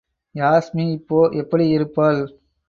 யாஸ்மி இப்பொ எப்படி இருப்பாள்.